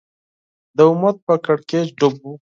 دا امت په کړکېچ ډوب و